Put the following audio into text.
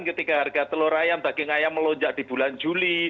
ketika harga telur ayam daging ayam melonjak di bulan juli